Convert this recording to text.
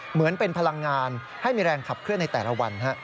เหมือนเป็นพลังงานให้มีแรงขับเคลื่อนในแต่ละวัน